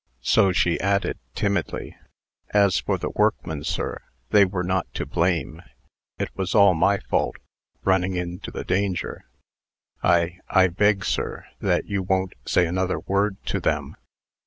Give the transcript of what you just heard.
So she added, timidly: "As for the workmen, sir, they were not to blame. It was all my fault, running into the danger. I I beg, sir, that you won't say another word to them."